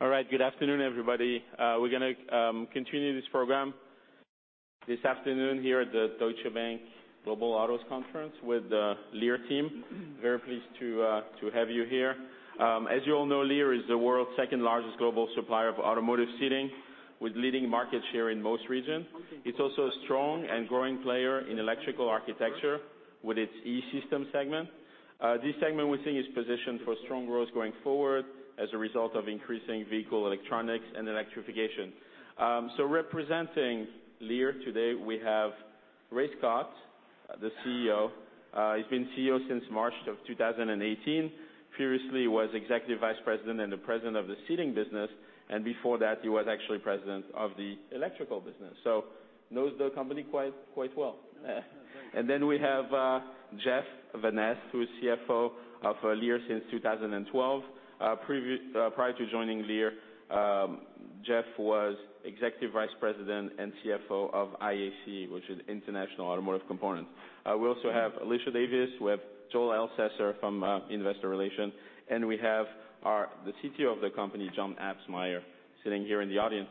All right. Good afternoon, everybody. We're going to continue this program this afternoon here at the Deutsche Bank Global Autos Conference with Lear team. Very pleased to have you here. As you all know, Lear is the world's second largest global supplier of automotive seating, with leading market share in most regions. It's also a strong and growing player in electrical architecture with its E-Systems segment. This segment, we think, is positioned for strong growth going forward as a result of increasing vehicle electronics and electrification. Representing Lear today, we have Ray Scott, the CEO. He's been CEO since March of 2018. Previously was Executive Vice President and the President of the Seating Business, before that, he was actually president of the electrical business, knows the company quite well. Yeah. We have Jeff Vanneste, who's CFO of Lear since 2012. Prior to joining Lear, Jeff was Executive Vice President and CFO of IAC, which is International Automotive Components. We also have Alicia Davis, we have Joel Elsesser from Investor Relations, and we have the CTO of the company, John Absmeier, sitting here in the audience.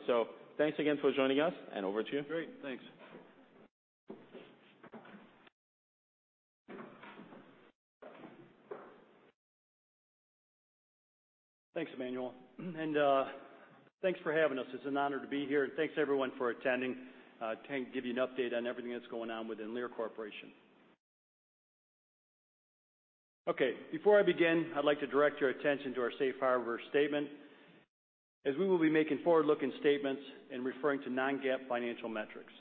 Thanks again for joining us and over to you. Great. Thanks. Thanks, Emmanuel, thanks for having us. It's an honor to be here, thanks everyone for attending. Today I'm giving you an update on everything that's going on within Lear Corporation. Okay. Before I begin, I'd like to direct your attention to our safe harbor statement, as we will be making forward-looking statements and referring to non-GAAP financial metrics.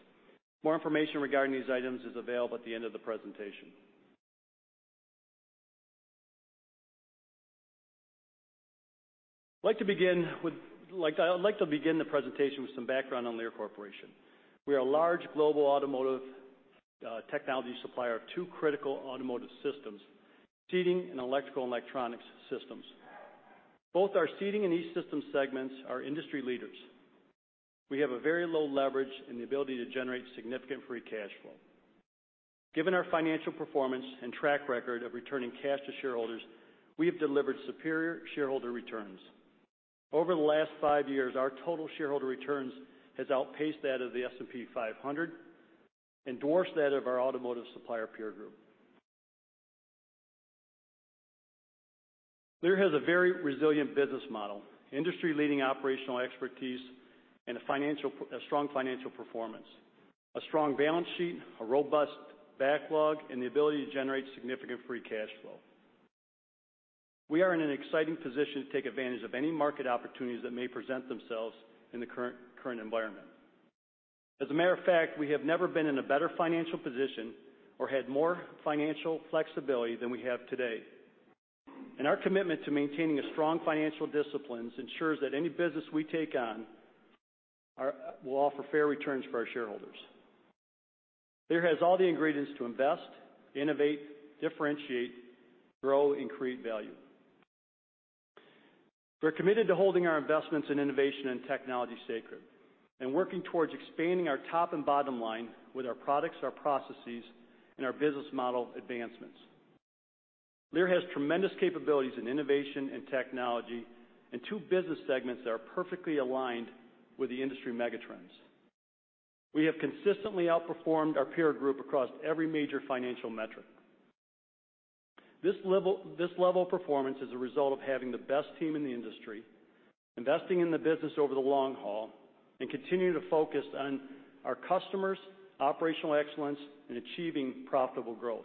More information regarding these items is available at the end of the presentation. I'd like to begin the presentation with some background on Lear Corporation. We are a large global automotive technology supplier of two critical automotive systems, seating and electrical electronics systems. Both our seating and E-Systems segments are industry leaders. We have a very low leverage, the ability to generate significant free cash flow. Given our financial performance and track record of returning cash to shareholders, we have delivered superior shareholder returns. Over the last five years, our total shareholder returns has outpaced that of the S&P 500, dwarfs that of our automotive supplier peer group. Lear has a very resilient business model, industry-leading operational expertise, a strong financial performance, a strong balance sheet, a robust backlog, the ability to generate significant free cash flow. We are in an exciting position to take advantage of any market opportunities that may present themselves in the current environment. As a matter of fact, we have never been in a better financial position or had more financial flexibility than we have today. Our commitment to maintaining a strong financial discipline ensures that any business we take on will offer fair returns for our shareholders. Lear has all the ingredients to invest, innovate, differentiate, grow, and create value. We're committed to holding our investments in innovation and technology sacred, working towards expanding our top and bottom line with our products, our processes, and our business model advancements. Lear has tremendous capabilities in innovation and technology in two business segments that are perfectly aligned with the industry megatrends. We have consistently outperformed our peer group across every major financial metric. This level of performance is a result of having the best team in the industry, investing in the business over the long haul, and continuing to focus on our customers' operational excellence in achieving profitable growth.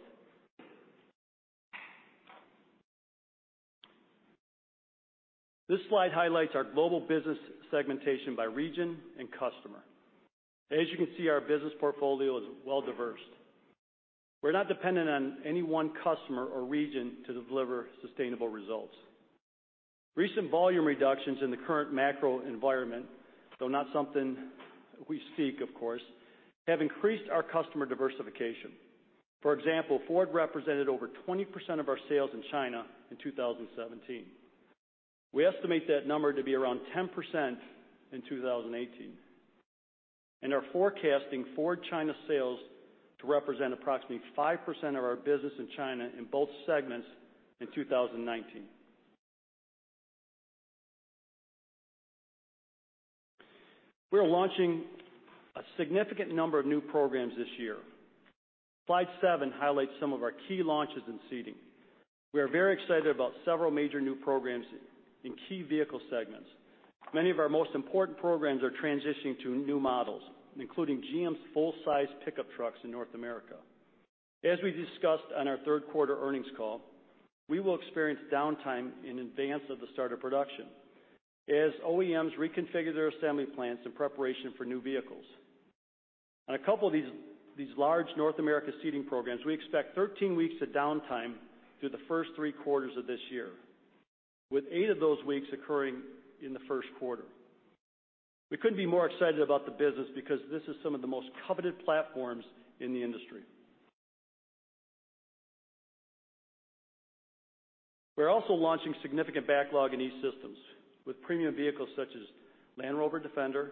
This slide highlights our global business segmentation by region and customer. As you can see, our business portfolio is well-diversed. We're not dependent on any one customer or region to deliver sustainable results. Recent volume reductions in the current macro environment, though not something we seek, of course, have increased our customer diversification. For example, Ford represented over 20% of our sales in China in 2017. We estimate that number to be around 10% in 2018 and are forecasting Ford China sales to represent approximately 5% of our business in China in both segments in 2019. We are launching a significant number of new programs this year. Slide seven highlights some of our key launches in seating. We are very excited about several major new programs in key vehicle segments. Many of our most important programs are transitioning to new models, including GM's full-size pickup trucks in North America. As we discussed on our third quarter earnings call, we will experience downtime in advance of the start of production as OEMs reconfigure their assembly plans in preparation for new vehicles. On a couple of these large North America seating programs, we expect 13 weeks of downtime through the first three quarters of this year, with eight of those weeks occurring in the first quarter. We couldn't be more excited about the business because this is some of the most coveted platforms in the industry. We're also launching significant backlog in E-Systems with premium vehicles such as Land Rover Defender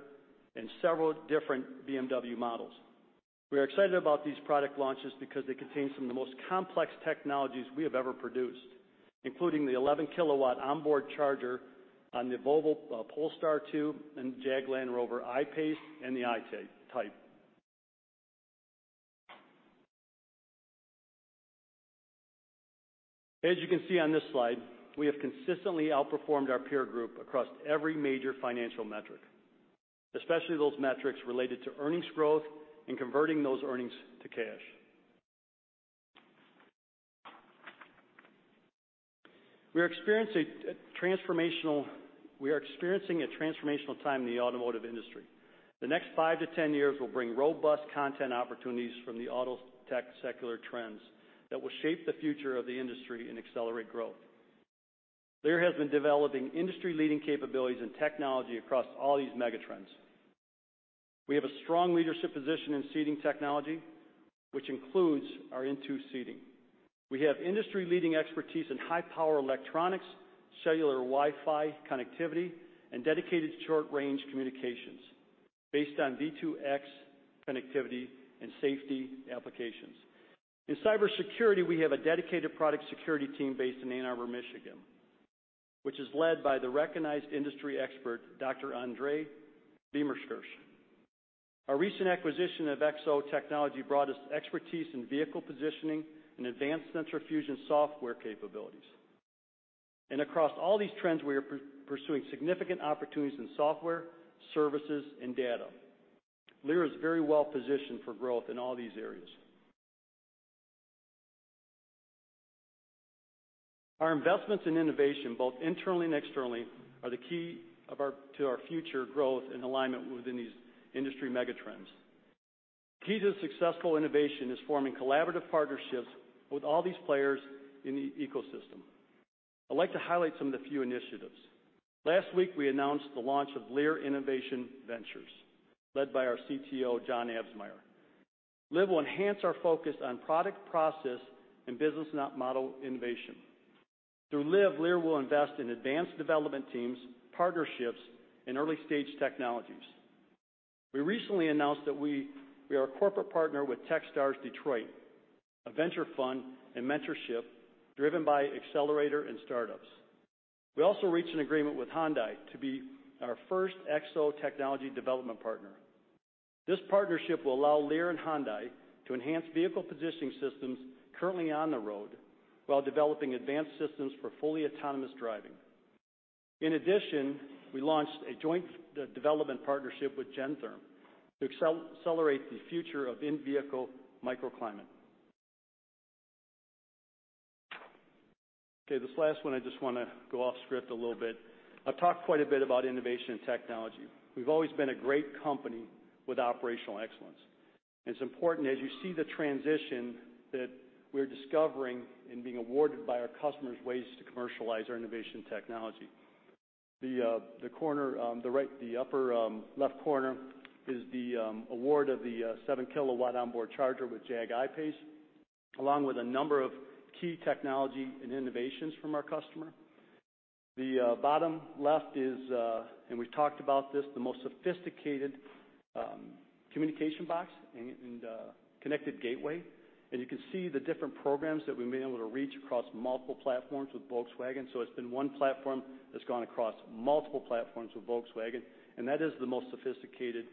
and several different BMW models. We are excited about these product launches because they contain some of the most complex technologies we have ever produced, including the 11 kilowatt onboard charger on the Volvo Polestar 2, and Jaguar Land Rover I-PACE and the I-TYPE. As you can see on this slide, we have consistently outperformed our peer group across every major financial metric, especially those metrics related to earnings growth and converting those earnings to cash. We are experiencing a transformational time in the automotive industry. The next five to 10 years will bring robust content opportunities from the auto tech secular trends that will shape the future of the industry and accelerate growth. Lear has been developing industry-leading capabilities and technology across all these mega trends. We have a strong leadership position in seating technology, which includes our INTU seating. We have industry-leading expertise in high power electronics, cellular Wi-Fi connectivity, and dedicated short-range communications based on V2X connectivity and safety applications. In cybersecurity, we have a dedicated product security team based in Ann Arbor, Michigan, which is led by the recognized industry expert, Dr. André Weimerskirch. Our recent acquisition of Xevo Technology brought us expertise in vehicle positioning and advanced sensor fusion software capabilities. Across all these trends, we are pursuing significant opportunities in software, services, and data. Lear is very well positioned for growth in all these areas. Our investments in innovation, both internally and externally, are the key to our future growth in alignment within these industry mega trends. Key to successful innovation is forming collaborative partnerships with all these players in the ecosystem. I'd like to highlight some of the few initiatives. Last week, we announced the launch of Lear Innovation Ventures, led by our CTO, John Absmeier. LIV will enhance our focus on product, process, and business model innovation. Through LIV, Lear will invest in advanced development teams, partnerships, and early-stage technologies. We recently announced that we are a corporate partner with Techstars Detroit, a venture fund and mentorship driven accelerator and startups. We also reached an agreement with Hyundai to be our first Xevo technology development partner. This partnership will allow Lear and Hyundai to enhance vehicle positioning systems currently on the road while developing advanced systems for fully autonomous driving. In addition, we launched a joint development partnership with Gentherm to accelerate the future of in-vehicle microclimate. Okay, this last one, I just want to go off script a little bit. I've talked quite a bit about innovation and technology. We've always been a great company with operational excellence. It's important as you see the transition that we're discovering and being awarded by our customers ways to commercialize our innovation technology. The upper left corner is the award of the 7 kilowatt onboard charger with Jag I-PACE, along with a number of key technology and innovations from our customer. The bottom left is, and we've talked about this, the most sophisticated communication box and connected gateway. You can see the different programs that we've been able to reach across multiple platforms with Volkswagen. It's been one platform that's gone across multiple platforms with Volkswagen, and that is the most sophisticated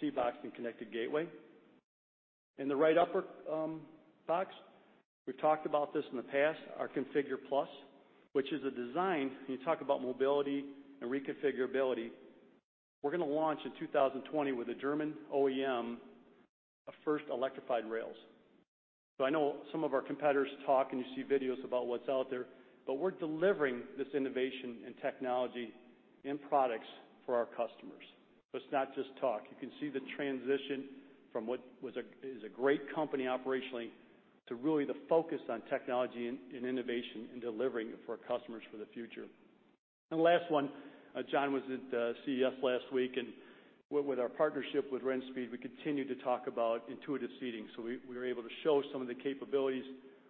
C-box and connected gateway. In the right upper box, we've talked about this in the past, our ConfigurE+, which is a design. You talk about mobility and reconfigurability. We're going to launch in 2020 with a German OEM, a first electric slide rails. I know some of our competitors talk, and you see videos about what's out there, but we're delivering this innovation in technology in products for our customers. It's not just talk. You can see the transition from what is a great company operationally to really the focus on technology and innovation and delivering it for our customers for the future. The last one, John was at CES last week, and with our partnership with Rinspeed, we continue to talk about intuitive seating. We were able to show some of the capabilities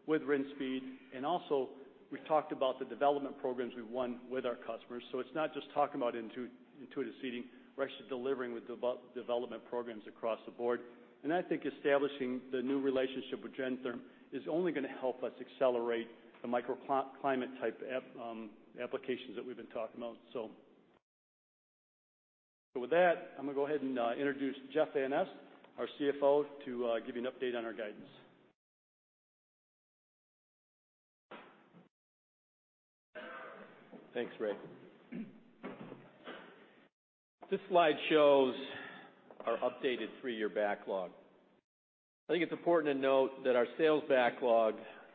with Rinspeed, also we talked about the development programs we've won with our customers. It's not just talking about intuitive seating, we're actually delivering with development programs across the board. I think establishing the new relationship with Gentherm is only going to help us accelerate the microclimate type applications that we've been talking about. With that, I'm going to go ahead and introduce Jeff Vanneste, our CFO, to give you an update on our guidance. Thanks, Ray. This slide shows our updated three-year backlog. I think it's important to note that our sales backlog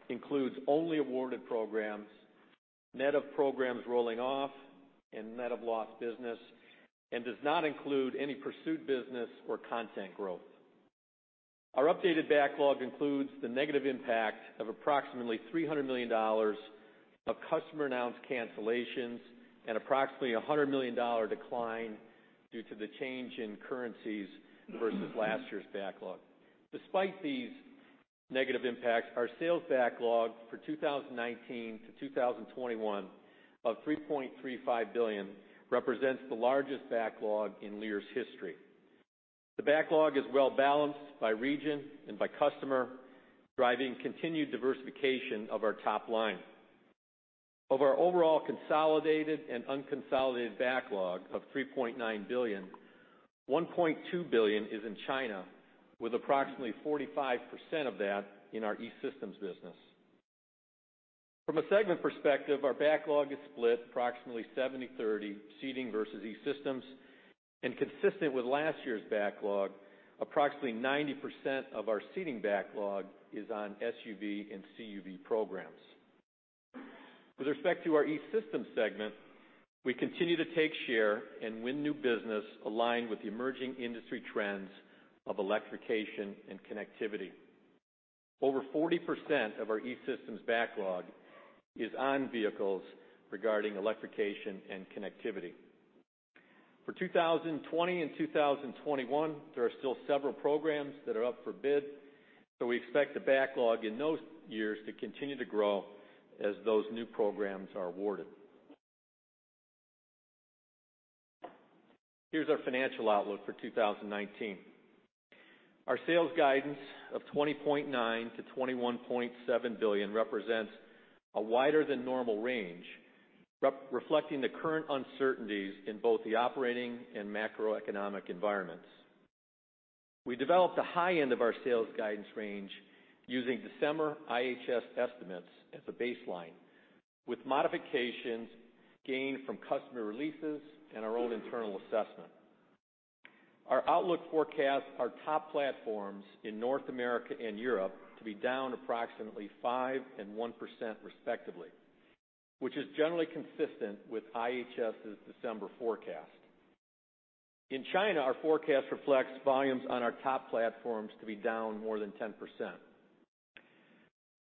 includes only awarded programs, net of programs rolling off and net of lost business, and does not include any pursued business or content growth. Our updated backlog includes the negative impact of approximately $300 million of customer-announced cancellations and approximately $100 million decline due to the change in currencies versus last year's backlog. Despite these negative impacts, our sales backlog for 2019 to 2021 of $3.35 billion represents the largest backlog in Lear's history. The backlog is well-balanced by region and by customer, driving continued diversification of our top line. Of our overall consolidated and unconsolidated backlog of $3.9 billion, $1.2 billion is in China, with approximately 45% of that in our E-Systems business. From a segment perspective, our backlog is split approximately 70/30, Seating versus E-Systems, and consistent with last year's backlog, approximately 90% of our Seating backlog is on SUV and CUV programs. With respect to our E-Systems segment, we continue to take share and win new business aligned with the emerging industry trends of electrification and connectivity. Over 40% of our E-Systems backlog is on vehicles regarding electrification and connectivity. For 2020 and 2021, there are still several programs that are up for bid. We expect the backlog in those years to continue to grow as those new programs are awarded. Here's our financial outlook for 2019. Our sales guidance of $20.9 billion-$21.7 billion represents a wider than normal range, reflecting the current uncertainties in both the operating and macroeconomic environments. We developed the high end of our sales guidance range using December IHS estimates as a baseline, with modifications gained from customer releases and our own internal assessment. Our outlook forecasts our top platforms in North America and Europe to be down approximately 5% and 1% respectively, which is generally consistent with IHS's December forecast. In China, our forecast reflects volumes on our top platforms to be down more than 10%.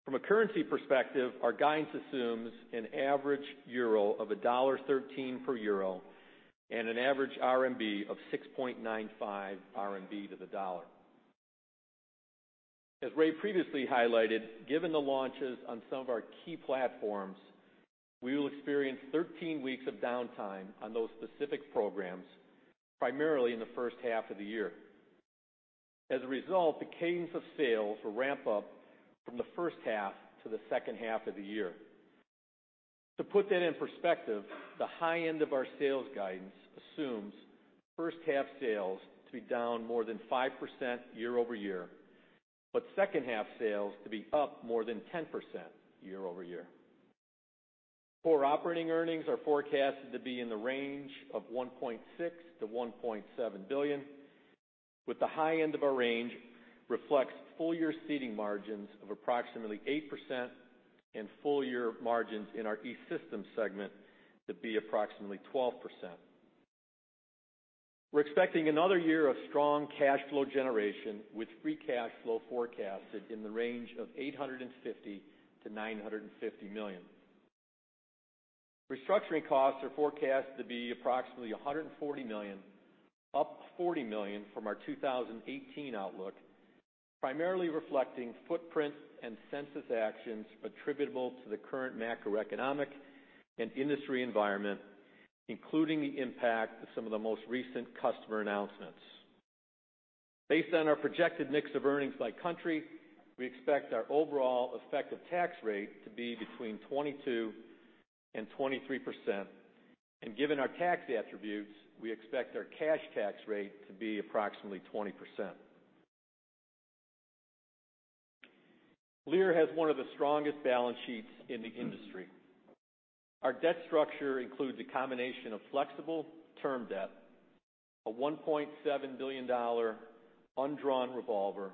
From a currency perspective, our guidance assumes an average EUR of $1.13 per EUR and an average RMB of 6.95 RMB to the dollar. As Ray previously highlighted, given the launches on some of our key platforms, we will experience 13 weeks of downtime on those specific programs, primarily in the first half of the year. As a result, the cadence of sales will ramp up from the first half to the second half of the year. To put that in perspective, the high end of our sales guidance assumes first half sales to be down more than 5% year-over-year, but second half sales to be up more than 10% year-over-year. Core operating earnings are forecasted to be in the range of $1.6 billion-$1.7 billion, with the high end of our range reflects full-year Seating margins of approximately 8% and full-year margins in our E-Systems segment to be approximately 12%. We're expecting another year of strong cash flow generation with free cash flow forecasted in the range of $850 million-$950 million. Restructuring costs are forecasted to be approximately $140 million, up $40 million from our 2018 outlook, primarily reflecting footprint and census actions attributable to the current macroeconomic and industry environment, including the impact of some of the most recent customer announcements. Based on our projected mix of earnings by country, we expect our overall effective tax rate to be between 22% and 23%, and given our tax attributes, we expect our cash tax rate to be approximately 20%. Lear has one of the strongest balance sheets in the industry. Our debt structure includes a combination of flexible term debt, a $1.7 billion undrawn revolver,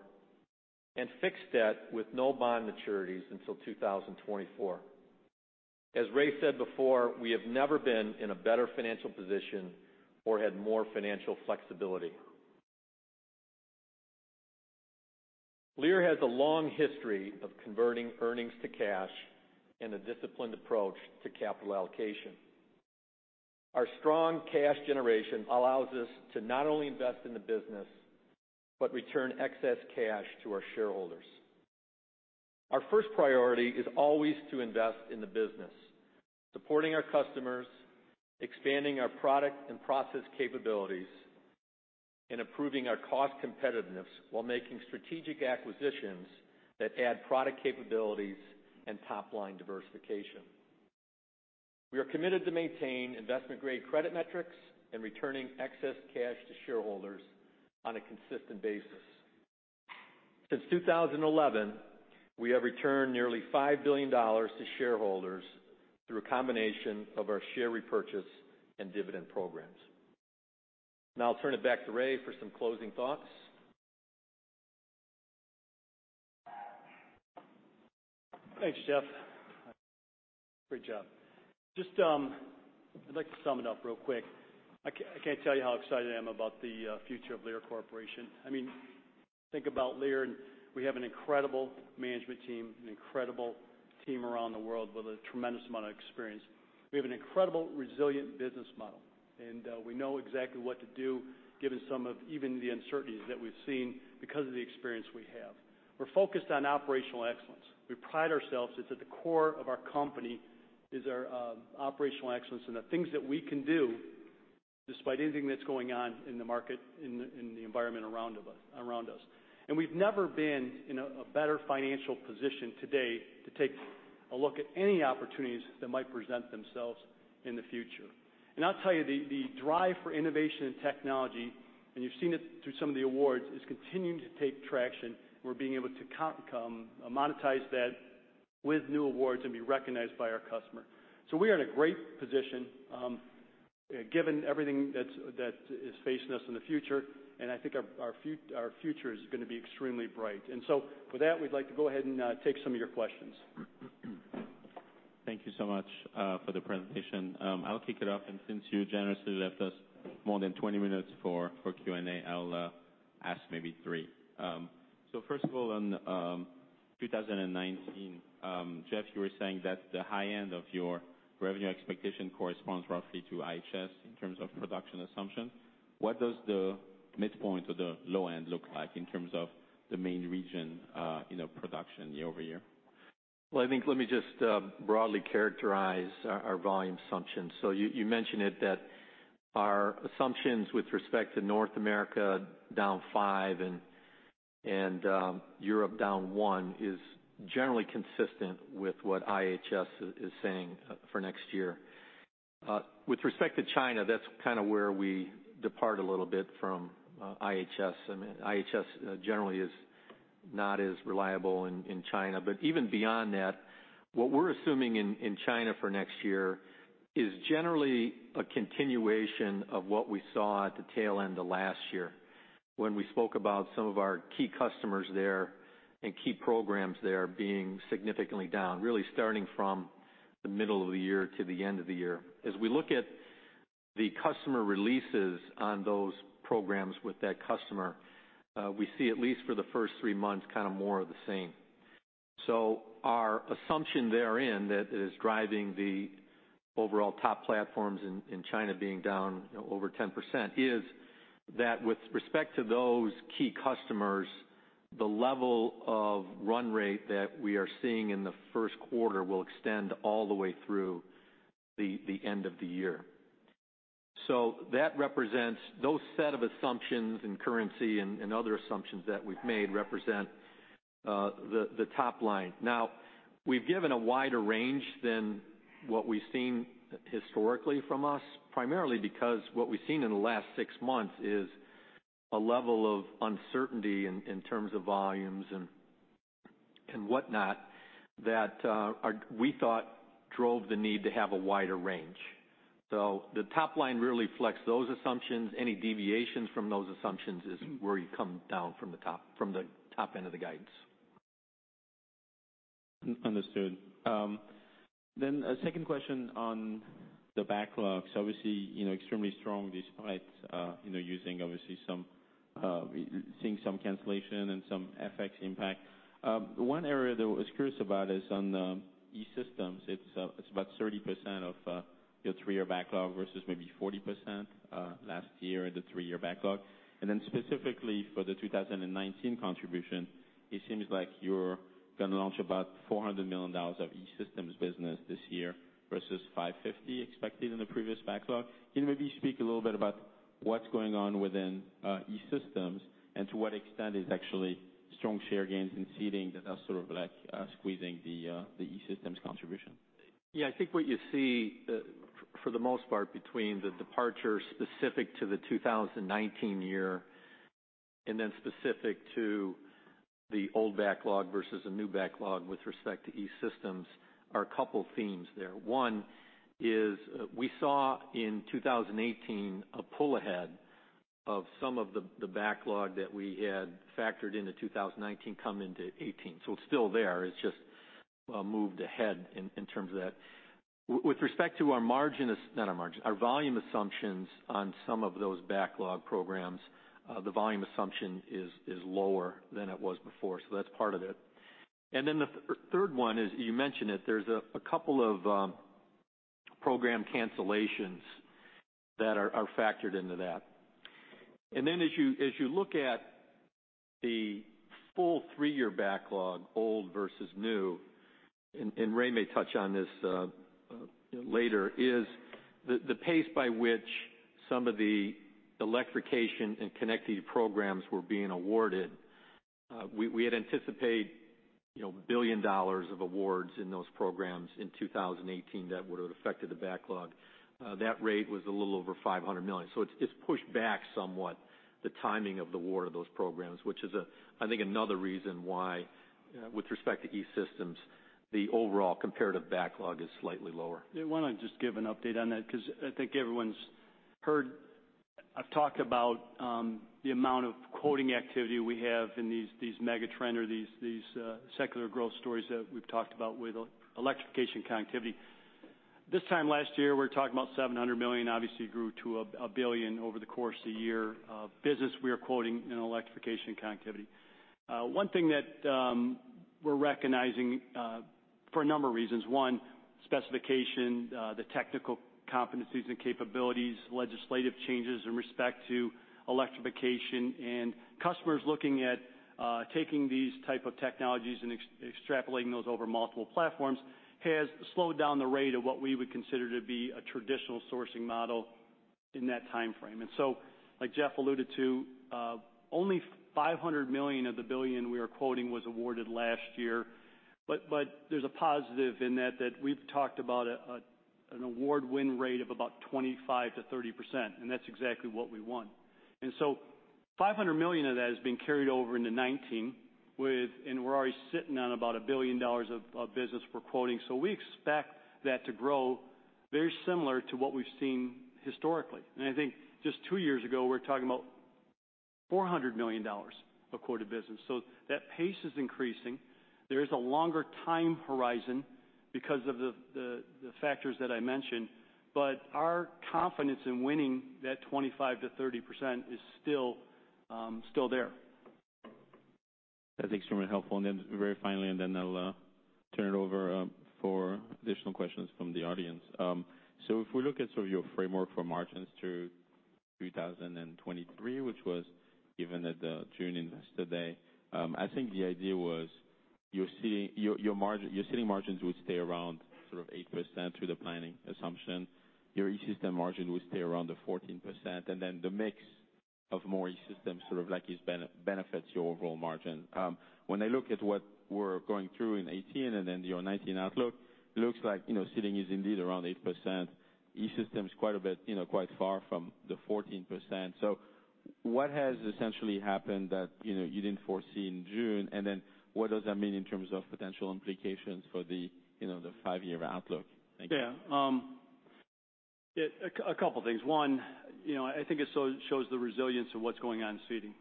and fixed debt with no bond maturities until 2024. As Ray said before, we have never been in a better financial position or had more financial flexibility. Lear has a long history of converting earnings to cash and a disciplined approach to capital allocation. Our strong cash generation allows us to not only invest in the business, but return excess cash to our shareholders. Our first priority is always to invest in the business, supporting our customers, expanding our product and process capabilities, and improving our cost competitiveness while making strategic acquisitions that add product capabilities and top-line diversification. We are committed to maintain investment-grade credit metrics and returning excess cash to shareholders on a consistent basis. Since 2011, we have returned nearly $5 billion to shareholders through a combination of our share repurchase and dividend programs. I'll turn it back to Ray for some closing thoughts. Thanks, Jeff. Great job. I'd like to sum it up real quick. I can't tell you how excited I am about the future of Lear Corporation. Think about Lear, and we have an incredible management team, an incredible team around the world with a tremendous amount of experience. We have an incredible resilient business model, and we know exactly what to do given some of even the uncertainties that we've seen because of the experience we have. We're focused on operational excellence. We pride ourselves, it's at the core of our company, is our operational excellence and the things that we can do despite anything that's going on in the market, in the environment around us. We've never been in a better financial position today to take a look at any opportunities that might present themselves in the future. I'll tell you, the drive for innovation and technology, and you've seen it through some of the awards, is continuing to take traction. We're being able to come, monetize that with new awards and be recognized by our customer. We are in a great position, given everything that is facing us in the future. I think our future is going to be extremely bright. For that, we'd like to go ahead and take some of your questions. Thank you so much for the presentation. I'll kick it off, since you generously left us more than 20 minutes for Q&A, I'll ask maybe three. First of all, on 2019, Jeff, you were saying that the high end of your revenue expectation corresponds roughly to IHS in terms of production assumptions. What does the midpoint of the low end look like in terms of the main region production year-over-year? I think let me just broadly characterize our volume assumptions. You mentioned it, that our assumptions with respect to North America down 5% and Europe down 1% is generally consistent with what IHS is saying for next year. With respect to China, that's kind of where we depart a little bit from IHS. IHS generally is not as reliable in China. Even beyond that, what we're assuming in China for next year is generally a continuation of what we saw at the tail end of last year, when we spoke about some of our key customers there and key programs there being significantly down, really starting from the middle of the year to the end of the year. As we look at the customer releases on those programs with that customer, we see at least for the first three months, kind of more of the same. Our assumption therein that is driving the overall top platforms in China being down over 10%, is that with respect to those key customers, the level of run rate that we are seeing in the first quarter will extend all the way through the end of the year. Those set of assumptions and currency and other assumptions that we've made represent the top line. Now, we've given a wider range than what we've seen historically from us, primarily because what we've seen in the last six months is a level of uncertainty in terms of volumes and whatnot that we thought drove the need to have a wider range. The top line really flex those assumptions. Any deviations from those assumptions is where you come down from the top end of the guidance. Understood. A second question on the backlogs, obviously, extremely strong despite seeing some cancellation and some FX impact. One area that I was curious about is on E-Systems, it's about 30% of your three-year backlog versus maybe 40% last year, the three-year backlog. Specifically for the 2019 contribution, it seems like you're going to launch about $400 million of E-Systems business this year versus $550 million expected in the previous backlog. Can you maybe speak a little bit about what's going on within E-Systems and to what extent is actually strong share gains in seating that are sort of squeezing the E-Systems contribution? I think what you see for the most part between the departure specific to the 2019 year and then specific to the old backlog versus a new backlog with respect to E-Systems are a couple themes there. One is we saw in 2018 a pull ahead of some of the backlog that we had factored into 2019 come into 2018. It's still there, it's just moved ahead in terms of that. With respect to our volume assumptions on some of those backlog programs, the volume assumption is lower than it was before, that's part of it. The third one is, you mentioned it, there's a couple of program cancellations that are factored into that. As you look at the full three-year backlog, old versus new, and Ray may touch on this later, is the pace by which some of the electrification and connectivity programs were being awarded. We had anticipated $1 billion of awards in those programs in 2018 that would have affected the backlog. That rate was a little over $500 million. It's pushed back somewhat the timing of the award of those programs, which is I think another reason why with respect to E-Systems, the overall comparative backlog is slightly lower. Why don't I just give an update on that because I think everyone's heard. I've talked about the amount of quoting activity we have in these mega trend or these secular growth stories that we've talked about with electrification and connectivity. This time last year, we were talking about $700 million, obviously grew to $1 billion over the course of a year of business we are quoting in electrification and connectivity. One thing we're recognizing for a number of reasons, one, specification, the technical competencies and capabilities, legislative changes in respect to electrification and customers looking at taking these type of technologies and extrapolating those over multiple platforms has slowed down the rate of what we would consider to be a traditional sourcing model in that time frame. Like Jeff alluded to, only $500 million of the $1 billion we are quoting was awarded last year. There's a positive in that we've talked about an award win rate of about 25%-30%, that's exactly what we won. $500 million of that has been carried over into 2019, we're already sitting on about $1 billion of business for quoting. We expect that to grow very similar to what we've seen historically. I think just two years ago, we were talking about $400 million of quoted business, that pace is increasing. There is a longer time horizon because of the factors that I mentioned, but our confidence in winning that 25%-30% is still there. That's extremely helpful. Very finally, I'll turn it over for additional questions from the audience. If we look at some of your framework for margins through 2023, which was given at the June Investor Day, I think the idea was your seating margins would stay around sort of 8% through the planning assumption. Your E-Systems margin would stay around the 14%, and then the mix of more E-Systems sort of like benefits your overall margin. When I look at what we're going through in 2018 and then your 2019 outlook, looks like seating is indeed around 8%. E-Systems' quite a bit far from the 14%. What has essentially happened that you didn't foresee in June? What does that mean in terms of potential implications for the five-year outlook? Thank you. Yeah. A couple things. One, I think it shows the resilience of what's going on in seating.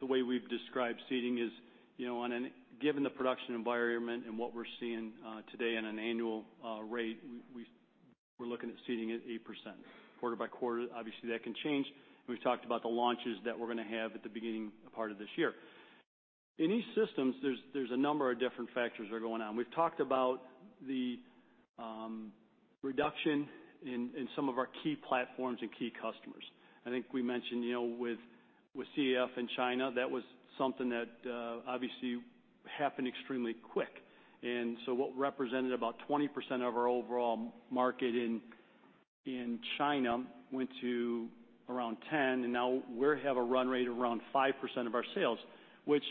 The way we've described seating is, given the production environment and what we're seeing today on an annual rate, we're looking at seating at 8%. Quarter by quarter, obviously, that can change. We've talked about the launches that we're gonna have at the beginning part of this year. In E-Systems, there's a number of different factors that are going on. We've talked about the reduction in some of our key platforms and key customers. I think we mentioned with CAF in China, that was something that obviously happened extremely quick. What represented about 20% of our overall market in China went to around 10%, and now we have a run rate of around 5% of our sales, which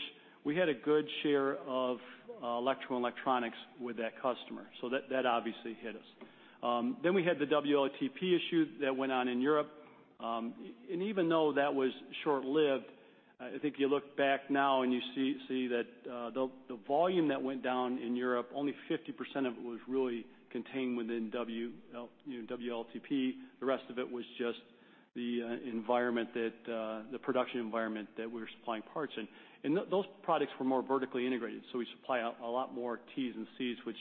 we had a good share of electro and electronics with that customer. That obviously hit us. We had the WLTP issue that went on in Europe. Even though that was short-lived, I think you look back now and you see that the volume that went down in Europe, only 50% of it was really contained within WLTP. The rest of it was just the production environment that we were supplying parts in. Those products were more vertically integrated, so we supply a lot more terminals and connectors, which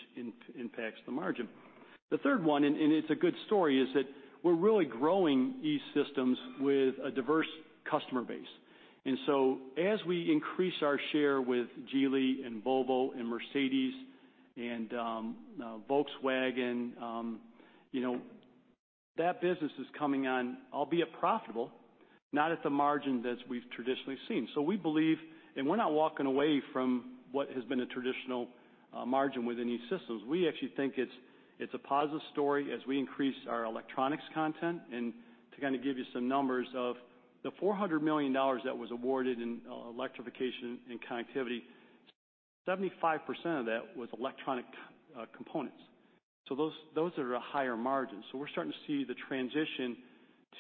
impacts the margin. The third one, it's a good story, is that we're really growing E-Systems with a diverse customer base. As we increase our share with Geely, Volvo, Mercedes and Volkswagen, that business is coming on, albeit profitable, not at the margins as we've traditionally seen. We believe, we're not walking away from what has been a traditional margin within E-Systems. We actually think it's a positive story as we increase our electronics content. To kind of give you some numbers of the $400 million that was awarded in electrification and connectivity, 75% of that was electronic components. Those are at a higher margin. We're starting to see the transition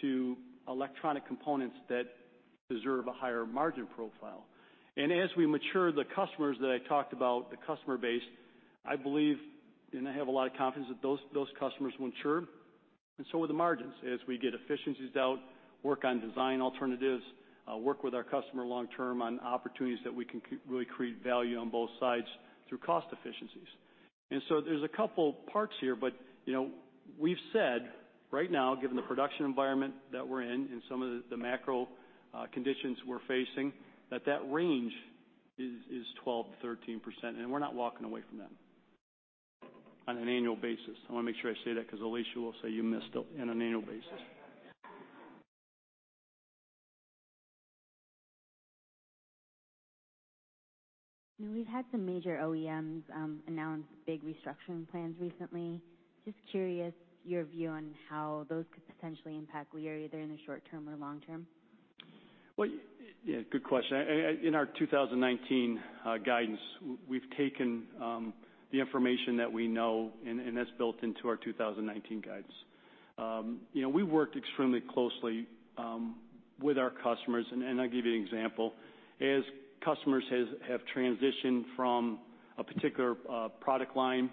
to electronic components that deserve a higher margin profile. As we mature the customers that I talked about, the customer base, I believe, I have a lot of confidence that those customers will mature and so will the margins as we get efficiencies out, work on design alternatives, work with our customer long term on opportunities that we can really create value on both sides through cost efficiencies. There's a couple parts here, but we've said right now, given the production environment that we're in and some of the macro conditions we're facing, that that range is 12%-13%, and we're not walking away from that on an annual basis. I want to make sure I say that because Alicia will say you missed in an annual basis. Yeah. We've had some major OEMs announce big restructuring plans recently. Just curious your view on how those could potentially impact Lear either in the short term or long term. Well, good question. In our 2019 guidance, we've taken the information that we know, and that's built into our 2019 guidance. We worked extremely closely with our customers, and I'll give you an example. As customers have transitioned from a particular product line,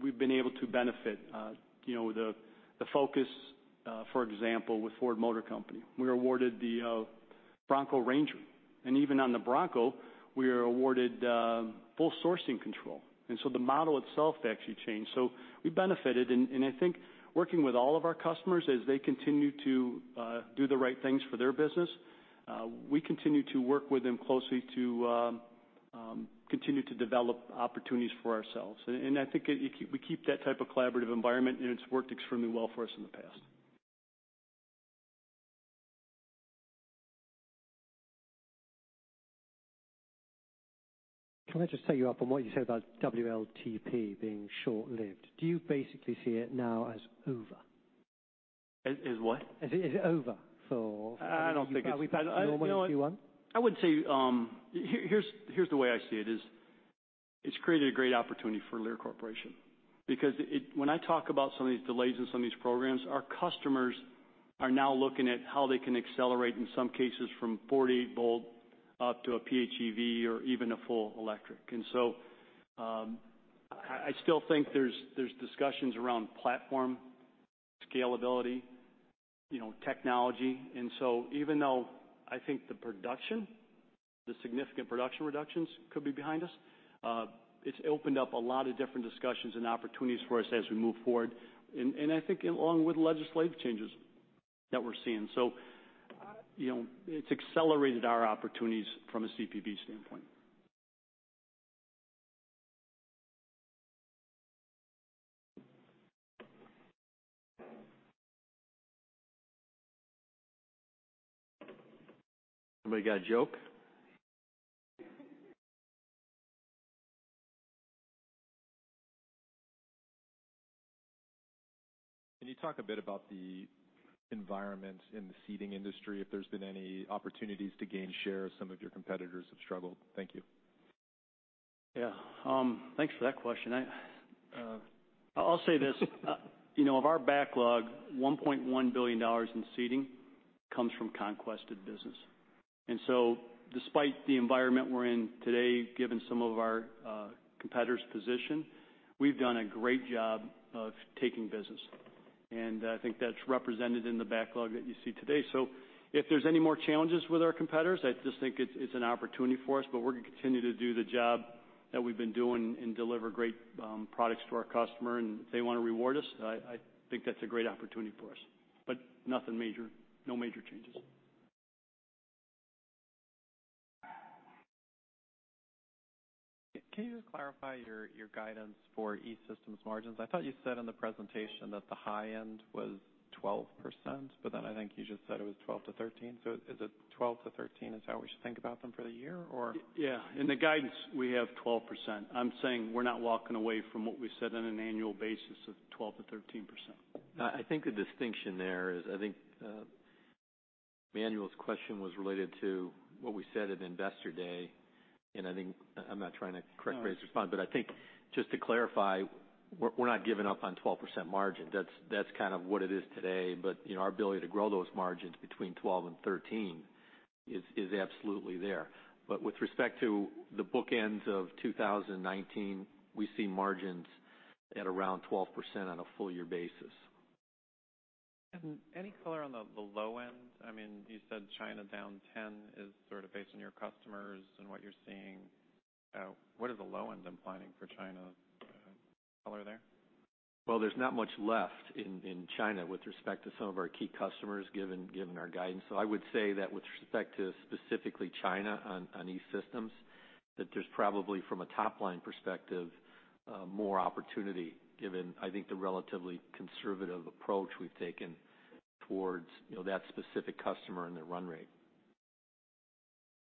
we've been able to benefit the focus, for example, with Ford Motor Company. We were awarded the Bronco Ranger, and even on the Bronco, we are awarded full sourcing control. The model itself actually changed. We benefited, and I think working with all of our customers as they continue to do the right things for their business, we continue to work with them closely to continue to develop opportunities for ourselves. I think we keep that type of collaborative environment, and it's worked extremely well for us in the past. Can I just take you up on what you said about WLTP being short-lived? Do you basically see it now as over? As what? Is it over for? I don't think it's. WLTP? I wouldn't say. Here's the way I see it, is it's created a great opportunity for Lear Corporation because when I talk about some of these delays in some of these programs, our customers are now looking at how they can accelerate, in some cases, from 48-volt up to a PHEV or even a full electric. I still think there's discussions around platform scalability, technology. Even though I think the production, the significant production reductions could be behind us, it's opened up a lot of different discussions and opportunities for us as we move forward, and I think along with legislative changes that we're seeing. It's accelerated our opportunities from a CPB standpoint. Anybody got a joke? Can you talk a bit about the environment in the seating industry, if there's been any opportunities to gain share as some of your competitors have struggled? Thank you. Yeah. Thanks for that question. I'll say this. Of our backlog, $1.1 billion in seating comes from conquested business. Despite the environment we're in today, given some of our competitors' position, we've done a great job of taking business. I think that's represented in the backlog that you see today. If there's any more challenges with our competitors, I just think it's an opportunity for us, we're going to continue to do the job that we've been doing and deliver great products to our customer. If they want to reward us, I think that's a great opportunity for us. Nothing major, no major changes. Can you just clarify your guidance for E-Systems margins? I thought you said in the presentation that the high end was 12%, but then I think you just said it was 12%-13%. Is it 12%-13%? Is that how we should think about them for the year? Yeah. In the guidance, we have 12%. I'm saying we're not walking away from what we said on an annual basis of 12%-13%. I think the distinction there is, I think Emmanuel's question was related to what we said at Investor Day. I think, I'm not trying to correct Ray's response, but I think just to clarify, we're not giving up on 12% margin. That's kind of what it is today. Our ability to grow those margins between 12 and 13 is absolutely there. With respect to the bookends of 2019, we see margins at around 12% on a full year basis. Any color on the low end? You said China down 10 is sort of based on your customers and what you're seeing. What are the low ends I'm planning for China? Color there? Well, there's not much left in China with respect to some of our key customers, given our guidance. I would say that with respect to specifically China on E-Systems, that there's probably, from a top-line perspective, more opportunity given, I think, the relatively conservative approach we've taken towards that specific customer and their run rate.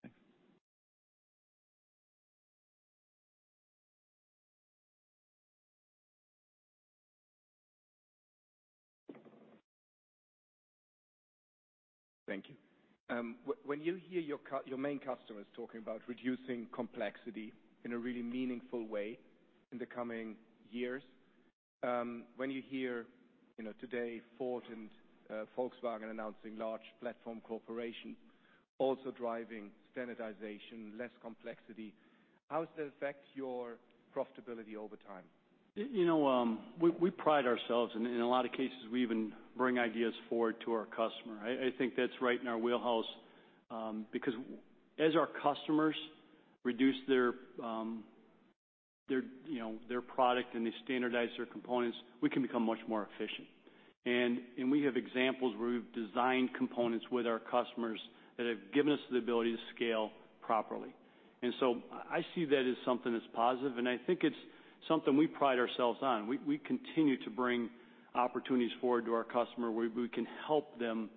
Thanks. Thank you. When you hear your main customers talking about reducing complexity in a really meaningful way in the coming years, when you hear today Ford and Volkswagen announcing large platform cooperation also driving standardization, less complexity, how does that affect your profitability over time? We pride ourselves, in a lot of cases, we even bring ideas forward to our customer. I think that's right in our wheelhouse. Because as our customers reduce their product, they standardize their components, we can become much more efficient. We have examples where we've designed components with our customers that have given us the ability to scale properly. I see that as something that's positive, I think it's something we pride ourselves on. We continue to bring opportunities forward to our customer where we can help them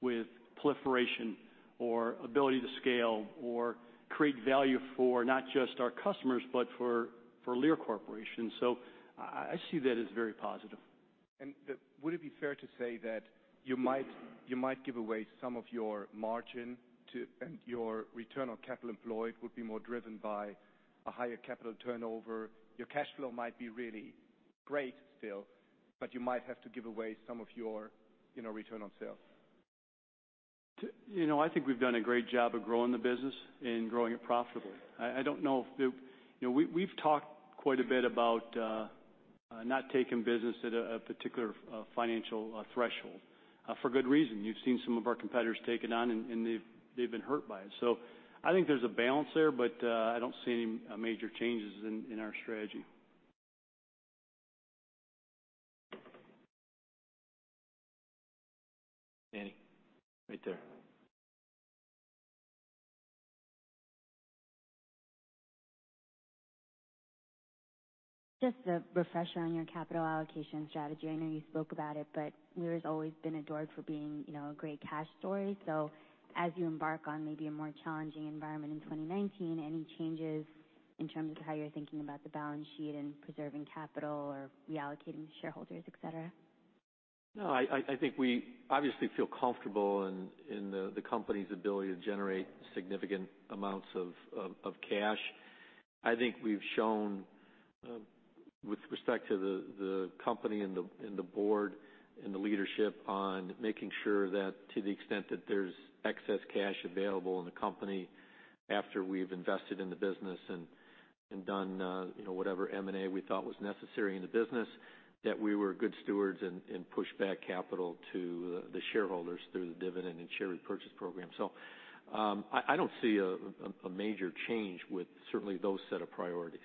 with proliferation or ability to scale or create value for not just our customers, but for Lear Corporation. I see that as very positive. Would it be fair to say that you might give away some of your margin, your return on capital employed would be more driven by a higher capital turnover? Your cash flow might be really great still, you might have to give away some of your return on sale. I think we've done a great job of growing the business and growing it profitably. I don't know. We've talked quite a bit about not taking business at a particular financial threshold, for good reason. You've seen some of our competitors take it on, they've been hurt by it. I think there's a balance there, I don't see any major changes in our strategy. Danny, right there. Just a refresher on your capital allocation strategy. I know you spoke about it, Lear's always been adored for being a great cash story. As you embark on maybe a more challenging environment in 2019, any changes in terms of how you're thinking about the balance sheet and preserving capital or reallocating to shareholders, et cetera? No, I think we obviously feel comfortable in the company's ability to generate significant amounts of cash. I think we've shown, with respect to the company and the board and the leadership on making sure that to the extent that there's excess cash available in the company after we've invested in the business and done whatever M&A we thought was necessary in the business, that we were good stewards and pushed back capital to the shareholders through the dividend and share repurchase program. I don't see a major change with certainly those set of priorities.